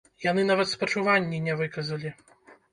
Яны нават спачуванні не выказалі!